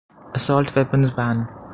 Assault Weapons Ban.